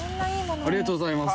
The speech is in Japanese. ありがとうございます！